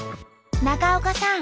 中岡さん